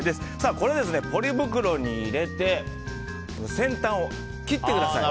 これでポリ袋に入れて先端を切ってください。